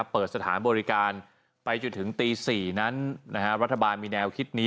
เปิดสถานบริการไปจนถึงตี๔นั้นรัฐบาลมีแนวคิดนี้